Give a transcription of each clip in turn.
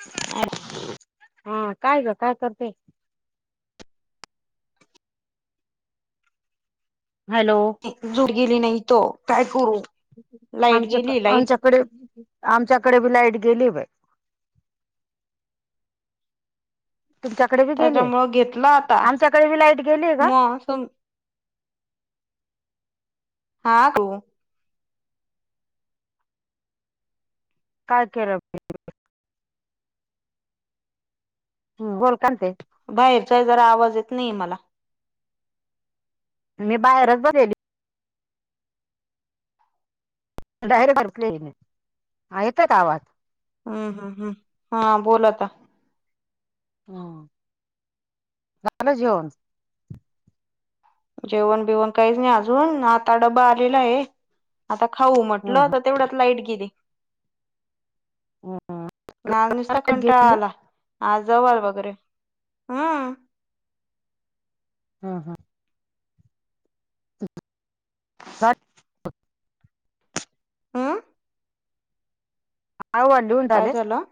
[unintelligible] हा, काय गं काय करते? हॅलो! झोप गेली नाही, तो काय करू. लाईट गेली लाईट आमच्याक-आमच्याकडे आमच्याकडे बी लाईट गेलीये बाई. तुमच्या कडे बी गेलीय त्याच्यामुळं आमच्या कडे बी लाईट गेलीय का? असलं. आ [unintelligible] काय केरब हम्म, बोल काय ते? बाहेरच्या जरा आवाज येत नाही मला. मी बाहेरच बरेली. [unintelligible] हा येतो का आवाज? ह ह ह हा, बोल आता. हा, झालं जेवण? जेवण बिवण काहीच नाही अजून आता डबा आलेलायं आहे, आता खाऊ हम्म म्हटलं तर तेवढ्यात लाईट गेली. हम्म. ना नुसता लाईट कंटाळा गेली. आला. आज जवळ वगैरे हा. हा हा. [unintelligible] ह. अहवाल लिहून काय राहिलेस? झालं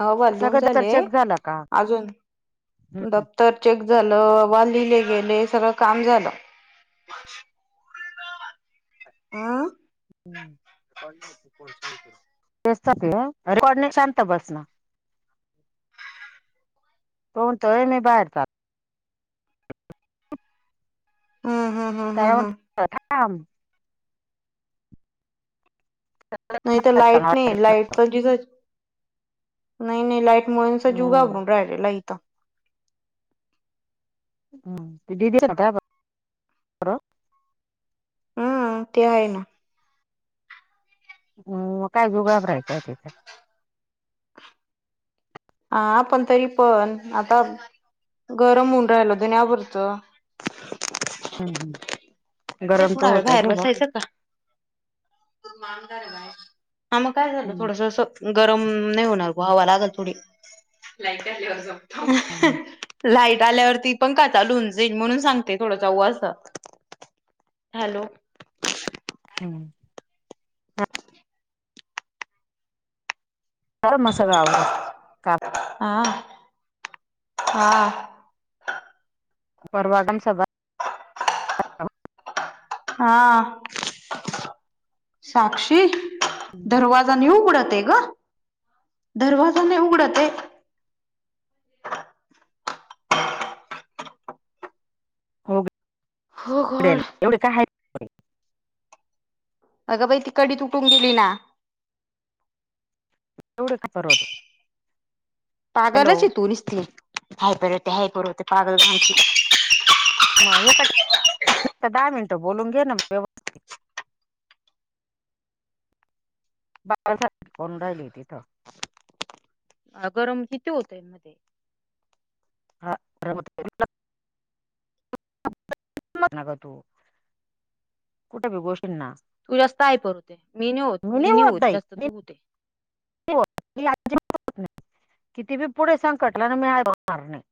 अहवाल लिहून सगळं दप्तर झाले चेक झाला का? अजून हम्म. बघ तर चेक झालं, अहवाल लिहिले गेले सगळं काम झालं. आ. रेकॉर्ड शांत बस ना.. तो म्हणतोय मी बाहेर जातो... हम्म हम्म तर हम्म मण हम्म ठम नाही तर लाईट नाही लाईट पण नाही नाही लाईट.. म्हणून तर जीव घाबरून हम राहिलेला इथं... हम दीदी... हम्म ते आहे ना... हम काय जीव घाबरायला तिथ.... हा पण तरी पण आता गरम होऊन राहिल जुन्याभरचं... हम् हम्... तेच नाळ बाहेर बसायचं का? हा मग काय झालं थोडस अस... गरम नाही होणार ग हवा लागल थोडी... लाईट आल्यावरती पण कात लुंजेन म्हणून सांगते थोडा उ अस... हॅलो... हम्म... झालं मग सगळं आवरून काम हम्म हा... परवाकम सभा.... हा... साक्षी दरवाजा नाही उघडत आहे ग! दरवाजा नाही उघडत आहे... हो... ओ गडेल गॉड एवढे काय आहय? अगं बाई ती कडी तुटून गेली ना.. तेवढं... पागलच ये तू निसती हायपर होते हायपर होते पागल माझ्याकडे दहा मिनटं बोलून घे ना व्यवस्थ... कोण राहिली तिथं... अ गरम किती होतय मध्ये... हा कुठे बीघोशिल ना.... तू जास्त हायपर होते मी नाही होत मी नाही होत बाई जास्त मी तू होते... [inaudible] किती बी पुढे संकटला ना मी हायपर नाही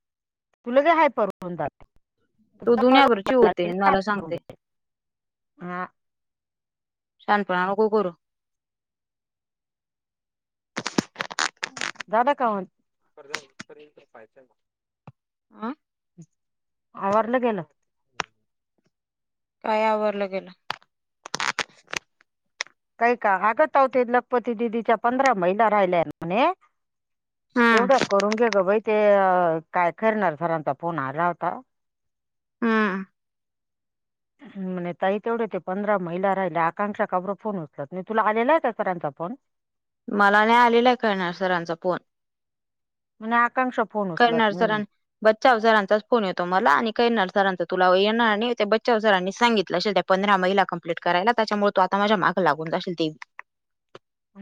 तु लगे हायपर... होतात... तो दूनियभरची होते अन् मला सांगते... हा शानपना नको करूस... दादा का आं... आवारलं गेलं... काय आवरल गेलं... काय का आगतवते लखपती दिदीच्या पंधरा महिना राहिल्या म्हणे... हम्म तेवढ्या करून घे ग बाई ते काय करणार सरांचा फोन आला होता... हम्म... म्हणे ताई तेवढे ते पंधरा महिला राहिल्या आकांक्षा का कोण होत्या फोन उचत नाही तुला आलेला आहे का सरांचा फोन... मला नाही आलेला आहे खैरनार सरांचा फोन... म्हणे आकांक्षा फोन उचलत खैरनार नाही सरांनी.. म्हणे बच्छाव सरांचाच फोन येतो मला आणि खैरनार सरांचा तुला ये बच्छाव सरांनीच सांगितलं असेल त्या पंधरा महिला कंप्लीट करायला त्याच्यामुळे तो आता माझ्या मागं लागून जाशील ती..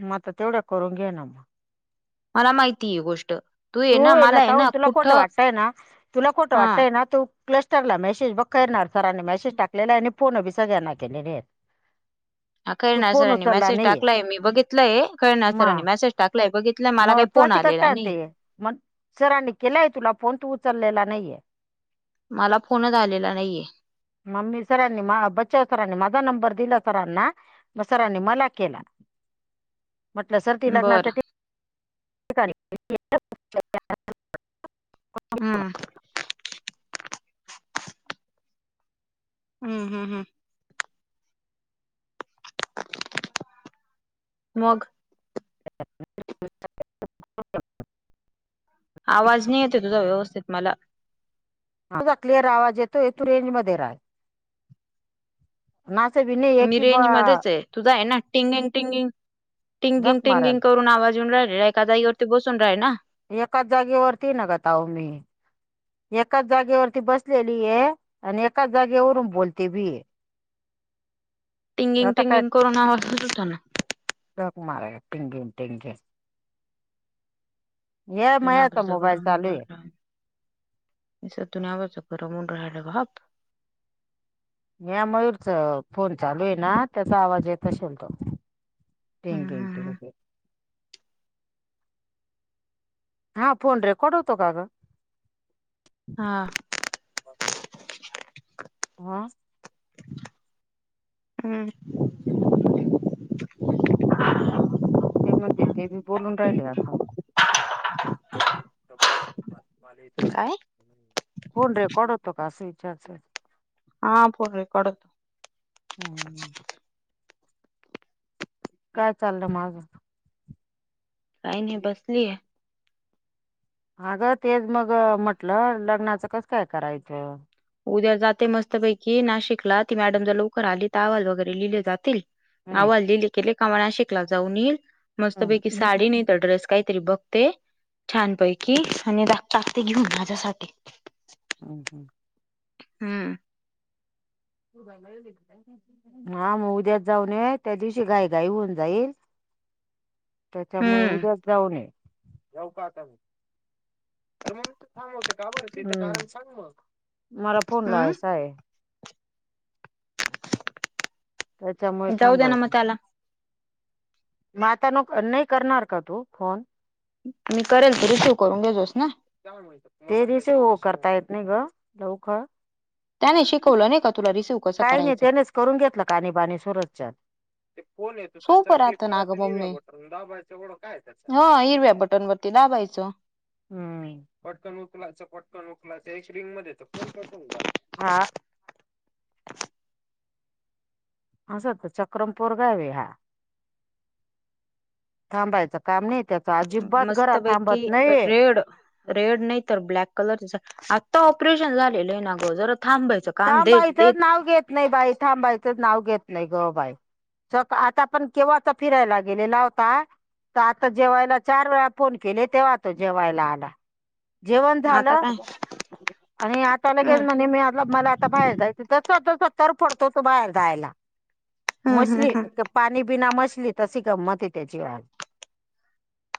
मग आ तेवढ्या करून घे ना मग. मला माहिती ही गोष्ट. तू ये ना ताऊ तुला खोठं वाटतय ना तुला खोठं हां. वाटतंय ना तू क्लस्टरला मेसेज बघ खैरनार सरांनी मेसेज टाकलेला आहे. आणि फोन बी सगळ्यांना केलेले आहेत. [inaudible] हा तू खैरनार फोन सरांनी उचलला मेसेज नाहीये टाकलाय मी बघितलंय खैरनार सरांनी मग मेसेज टाकलाय बघि मग तू अशी कस सांगतीये मग सरांनी केलाय तुला फोन तू उचललेला नाहीये. मला फोनच आलेला नाहीये. मम्मी सरांनी मा बच्चाव सरांनी माझा नंबर दिला सरांना. सरांनी मला केला. [inaudible] म्हटलं सर ती लग्नाच्या बरं ठीक [unintelligible] हा. [inaudible] हम्म हम् हम्. मग. [unintelligible] आवाज नाही येते तुझा व्यवस्थित मला. तुझा क्लिअर आवाज येतो तू रेंज मध्ये राहा. मेसेज बी नाही. आहे मी की बा रेंज मध्येच आहे. तुझा आहे ना. टिंगिंग, टिंगिंग, टिंगिंग, झक मारल टिंगिंग करून आवाज येऊन राहिले एका जागेवरती बसून राय ना. एकाच जागेवरती नघत अहो मी. एकाच जागेवरती बसलेली हे आणि एकाच जागेवरून बोलते भी. आता काय [unintelligible] [unintelligible] या मयाचा दुनियाभरचा मोबाईल गरम होऊन चालू आहे. राहिला. [unintelligible] मी मयूरच फोन चालू आहे. ना त्याचा आवाज येत असल तो. हं, टिंगिंग हं, हं. टिंगिंग. हा फोन रेकॉड होतो का ग? हा. [inaudible] हं. ते म्हणते ते भी बोलून राहिले असं काय? फोन रेकॉड होतो का असं विचारत्यात. हा फोन रेकॉर्ड हम्म. काय चाललं मग. काही नाही बसली आहे. अगं तेच मग म्हटलं लग्नाचं कसं काय करायचं. उद्या जाते मस्तपैकी नाशिकला ती मॅडम जर लवकर आली तर अहवाल वगैरे लिहिले जातील. हम्म, अहवाल लिहिले गेले का मग नाशिकला जाऊन येईल हम्म, मस्तपैकी साडी नाही तर ड्रेस काहीतरी बघ ते छानपैकी आणि टाकते घेऊन माझ्यासाठी. हम् हम्. हम्. [unintelligible] हा मग उद्याच जाऊ नये त्या दिवशी घाई घाई होऊन जाईल. त्याच्यामुळे हम्म उद्याच जाऊन ये जाऊ का आता. हम्म [unintelligible] त्याच्यामुळ जाऊ दे ना मग थांबवते. त्याला म आता नाही करणार का तू फोन? मी करेल तू रिसिव करून घेतोस ना? ते रिसिव करता येत नाही ग लवकर. त्याने शिकवलं नाही का तुला रिसिव काही नाही त्यानेच करून घेतलं काणी बाणी सुरच्या सोपं राहत ना ग मम्मे हो हिरव्या बटन वरती दाबायचं. हू हा. आसं वाटतं चक्रम पोरगं आहे ह्या थांबायच काम नाही त्याच अजिबात घरात मस्तपैकी थांबत नाही. रेड रेड नाही तर ब्लॅक कलरच आत्ता ऑपरेशन झालेलं आहे ना ग जरा थांबायचं काम दे ते थांबायचं नाव घेत नाही बाई थांबायचं नाव घेत नाही ग बाई. सक आता पण केव्हाचा फिरायला गेलेला होता त आता जेवायला चार वेळा फोन केले तेव्हा तो जेवायला आला. जेवण आता झालं काय आणि आता हम् लगेच म्हणे मी [unintelligible] मला आता बाहेर जायच तस तस तरफडतो बाहेर जायला हम्म हम् मशली हम क पाणी बिना मचली तशी गंमत हे त्याची आज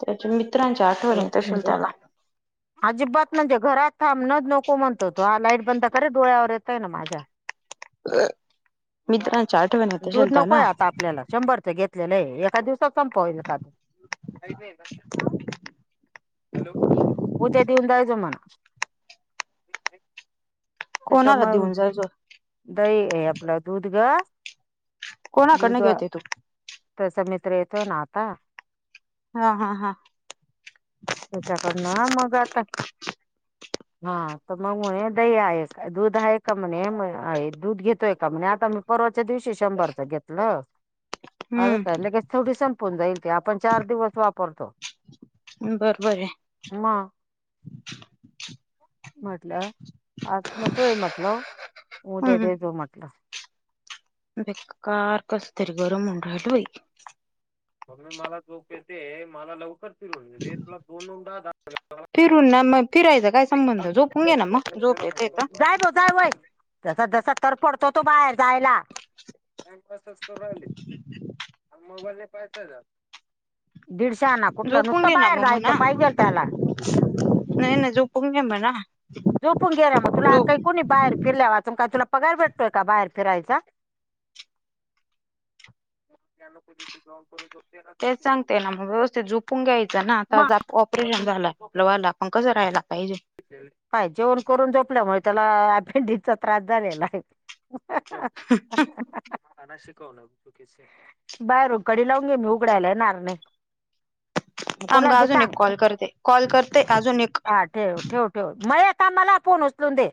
त्याच्या मित्रांच्या आठवणी येत आशिल त्याला. अजिबात म्हणजे घरात थांब न नको म्हणतो तो हा लाईट बंद कर डोळ्यावर ये [unintelligible] माझ्या मित्रांच्या आठवण येत दूध असेल नको ये त्याला आता आपल्याला शंभर त घेतलेलं हे एका दिवसात सपवलं का तू? उद्या देवून जायचं मना. कोणाला मंग देऊन जायचं दही हे आपल दूध गं. कोणाकडनं दूध घेते तू तसं मित्र येतोय ना आता? हा, हा, हा. शेताकडन मग आता [inaudible] हा त मग म्हणे दही आहेस दूध आहे का म्हणे म दूध घेतोय का म्हणे आता मी परवाच्या दिवशी शंभरच घेतलं आलं का हम्म लगेच थोडी संपून जाईल ते आपण चार दिवस वापरतो. बरोबर आहे. म म्हटलं आज नकोय म्हटलं उद्या हम्म दे जो म्हटलं. बेकार कसं तरी गरम होऊन राहील बाई. मग म मला जोप येते मला लवकर फिरून देतला दोनदा दा फिरून ना मग फिरायच काय संबंध झोपून घे ना मग झोप येते त. जा व्हय तसा दसा तरपडतो तो बाहेर जायला. टाईमपासचं करु राहिली की मोबाईल दे. दीडशाना तर कुठलं झोपून नुकतं घे ना बाहेर मग जायचं म्हणा पाहिजेल त्याला. नाही नाही झोपून घे म ना झोपून गेला म तुला काही कोणी बाहेर फिरल्या वाचून काय तुला पगार भेटतोय का बाहेर फिरायचा? [inaudible] [unintelligible] तेच सांगते ना म रोज ते झोपून घ्यायचं ना आता जा ऑपरेशन झाल मग [unintelligible] मगं कस राहायला पाहिजे? पाह्य जेवण करून जोपल्यामुळे त्याला अपेंडीचा त्रास झालेला आहे. [unintelligible] [unintelligible] शिकव ना बाहेरून कडी लावून घे मी उघडायला येणार नाही. मग थांब कोणाला गं बी आजून एक सांग कॉल करते कॉल करते आजून एक. हा ठेव, ठेव, ठेव मया का मला फोन उचलून दे.